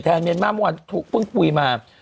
แทนเมียงมากมันเพิ่งคุยมา